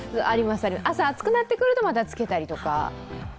朝、暑くなってくるとまたつけたりとか。